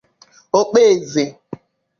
Okpeze